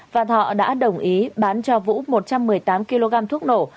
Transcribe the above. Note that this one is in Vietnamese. và thọ đã đồng ý bán cho vũ một trăm một mươi tám kg thuốc nổ